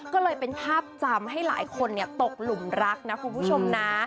ก็เลยเป็นภาพจำให้หลายคนตกหลุมรักนะคุณผู้ชมนะ